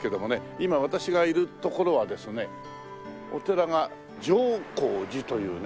今私がいる所はですねお寺が浄光寺というね。